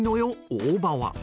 大葉は」。